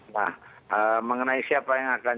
nah mengenai siapa yang akan